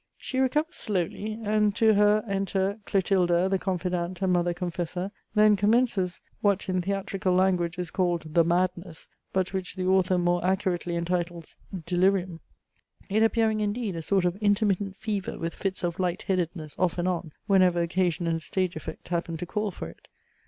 She recovers slowly, and to her enter, Clotilda, the confidante and mother confessor; then commences, what in theatrical language is called the madness, but which the author more accurately entitles, delirium, it appearing indeed a sort of intermittent fever with fits of lightheadedness off and on, whenever occasion and stage effect happen to call for it.